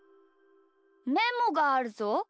メモがあるぞ？